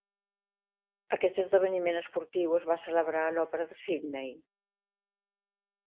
Aquest esdeveniment esportiu es va celebrar a l'Òpera de Sydney.